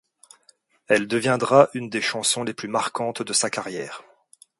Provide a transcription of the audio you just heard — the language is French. Elle deviendra une des chansons les plus marquantes de sa carrière.